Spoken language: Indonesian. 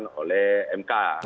dibatalkan oleh mk